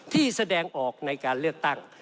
ที่แสดงออกในการเลือกตั้ง